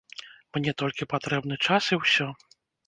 Мне толькі патрэбны час і ўсё!